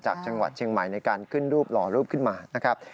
จากจังหวัดเชียงใหม่ในการขึ้นรูปหล่อรูปขึ้นมานะครับ